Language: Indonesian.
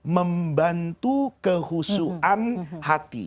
membantu kehusuhan hati